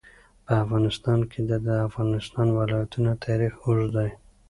په افغانستان کې د د افغانستان ولايتونه تاریخ اوږد دی.